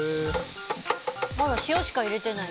まだ塩しか入れてない。